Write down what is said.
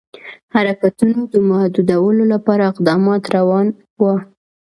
حرکتونو د محدودولو لپاره اقدامات روان وه.